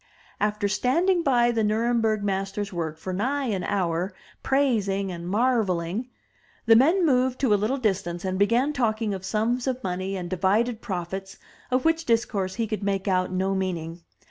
After standing by the Nuremberg master's work for nigh an hour, praising and marvelling, the men moved to a little distance and began talking of sums of money and divided profits, of which discourse he could make out no meaning.